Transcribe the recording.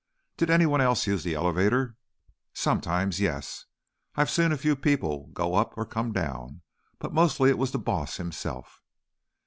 "Did anyone else use the elevator?" "Sometimes, yes. I've seen a few people go up or come down, but mostly it was the boss himself."